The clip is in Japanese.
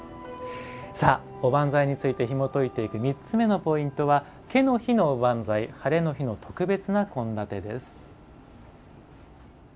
おばんざいについてひもといていく３つ目のポイントは「ケの日のおばんざいハレの日の特別な献立」です。